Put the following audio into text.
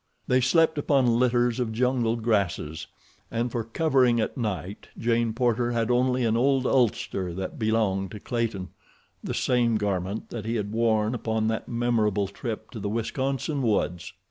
They slept upon litters of jungle grasses, and for covering at night Jane Porter had only an old ulster that belonged to Clayton, the same garment that he had worn upon that memorable trip to the Wisconsin woods.